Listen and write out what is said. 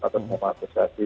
atas maaf maaf tersebut